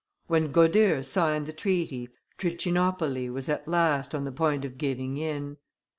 When Godeheu signed the treaty, Trichinopoli was at last on the point of giving in.